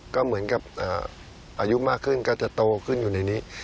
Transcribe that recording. ก็เหมือนกับอายุมากขึ้นก็จะโตขึ้นอยู่ในนี้